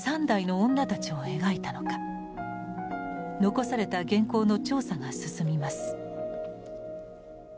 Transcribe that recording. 残された原稿の調査が進みます。